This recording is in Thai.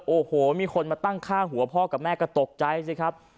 โอ้โหมีคนมาตั้งฆ่าหัวพ่อกับแม่ก็ตกใจสิครับ